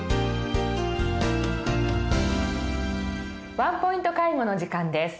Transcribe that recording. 「ワンポイント介護」の時間です。